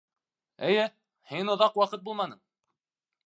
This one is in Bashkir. Эйе, һин оҙаҡ ваҡыт булманың.